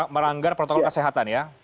melanggar protokol kesehatan ya